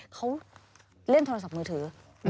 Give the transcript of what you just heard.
เขาเล่นโทรศัพท์มือถือ